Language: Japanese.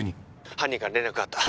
犯人から連絡があった